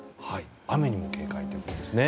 雨にも警戒ということですね。